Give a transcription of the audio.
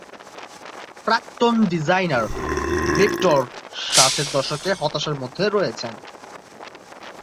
প্রাক্তন designer, Victor ষাটের দশকে হতাশার মধ্যে রয়েছেন।